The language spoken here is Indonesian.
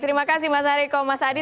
terima kasih mas hariko mas adi